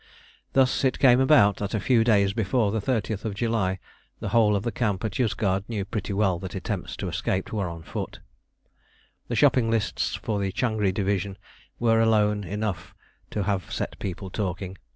Thus it came about that a few days before the 30th July, the whole of the camp at Yozgad knew pretty well that attempts to escape were on foot; the shopping lists for the Changri division were alone enough to have set people talking.